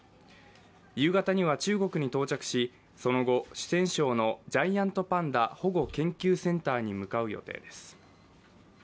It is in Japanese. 夕方には中国に到着し、その後、四川省のジャイアントパンダ保護研究センターに向かう予定です。